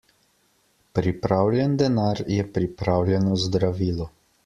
Pripravljen denar je pripravljeno zdravilo.